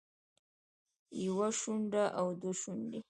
يوه شونډه او دوه شونډې